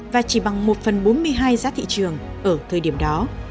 và chỉ bằng một phần bốn mươi hai giá thị trường ở thời điểm đó